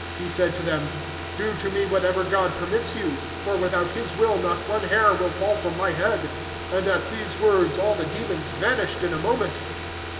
He said to them, 'Do to me whatever God permits you; for without His will not one hair will fall from my head.' And at these words all the demons vanished in a moment."